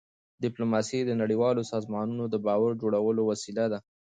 ډيپلوماسي د نړیوالو سازمانونو د باور جوړولو وسیله ده.